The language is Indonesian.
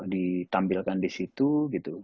ditampilkan di situ gitu